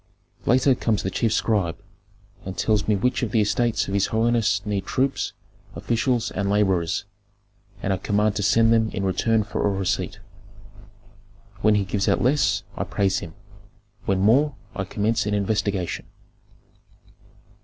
"Later comes the chief scribe, and tells me which of the estates of his holiness needs troops, officials, and laborers, and I command to send them in return for a receipt. When he gives out less, I praise him; when more, I commence an investigation.